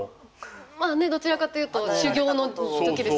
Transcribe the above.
まだねどちらかというと修業の時ですよね。